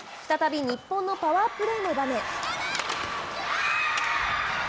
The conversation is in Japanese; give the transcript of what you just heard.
再び日本のパワープレーの場面。